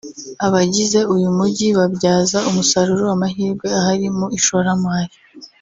abagize uyu mujyi babyaza umusaruro amahirwe ahari mu ishoramari